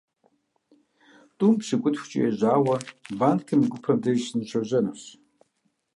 ТIум пщыкIутхукIэ ежьауэ банкым и гупэм деж сыныщожьэнущ.